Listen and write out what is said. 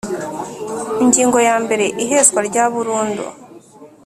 Ingingo ya mbere Ihezwa rya burundu